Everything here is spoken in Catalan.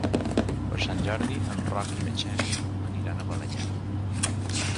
Per Sant Jordi en Roc i na Xènia aniran a Balenyà.